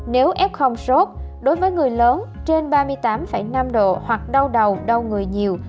nếu f sốt đối với người lớn trên ba mươi tám năm độ hoặc đau đầu đau người nhiều